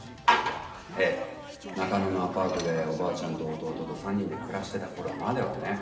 ええ中野のアパートでおばあちゃんと弟と３人で暮らしてた頃まではね。